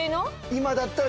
今だったら。